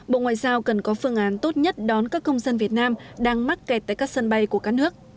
bộ ngoại giao cần có phương án tốt nhất đón các công dân việt nam đang mắc kẹt tại các sân bay của các nước